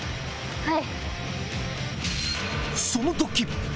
はい。